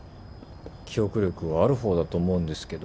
記憶力はある方だと思うんですけど。